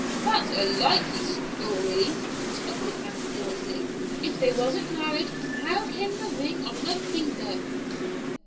"That's a likely story," interrupted Aunt Dilsey "If they wasn't married, how came the ring on her finger?"